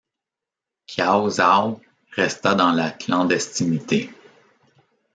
Kyaw Zaw resta dans la clandestinité.